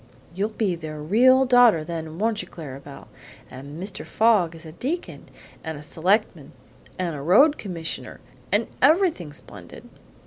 "You'll be their real daughter, then, won't you, Clara Belle? And Mr. Fogg is a deacon, and a selectman, and a road commissioner, and everything splendid."